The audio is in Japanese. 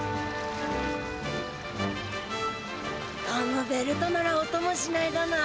ゴムベルトなら音もしないだな。